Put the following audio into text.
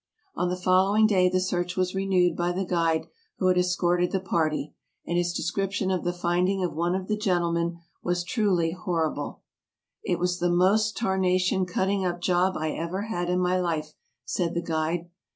On the following day the search was renewed by the guide who had escorted the party, and his description of the finding of one of the gentlemen was truly horrible : "It was the most tarnation cutting up job I ever had in my life," said the guide.